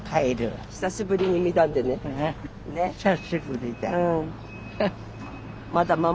久しぶりだ。え？